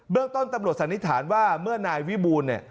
เรื่องต้นตำรวจสันนิษฐานว่าเมื่อนายวิบูลเนี่ย